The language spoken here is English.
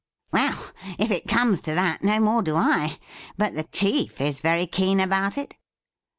' Well, if it comes to that, no more do I. But the chief is very keen about it.'